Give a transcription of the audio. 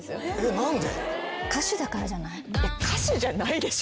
何で？